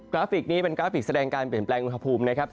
ราฟิกนี้เป็นกราฟิกแสดงการเปลี่ยนแปลงอุณหภูมินะครับ